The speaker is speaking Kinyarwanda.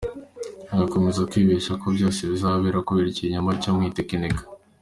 Agakomeza kwibeshya ko byose bizahera kubera ikinyoma cyo mu itekinika!